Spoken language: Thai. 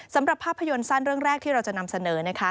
สำหรับภาพยนตร์สั้นเรื่องแรกที่เราจะนำเสนอนะคะ